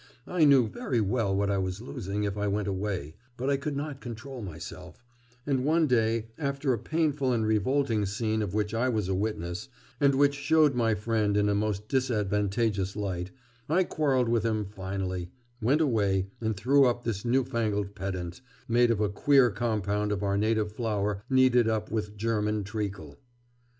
I knew very well what I was losing if I went away; but I could not control myself, and one day after a painful and revolting scene of which I was a witness, and which showed my friend in a most disadvantageous light, I quarrelled with him finally, went away, and threw up this newfangled pedant, made of a queer compound of our native flour kneaded up with German treacle.